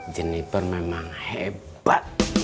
jeniper memang hebat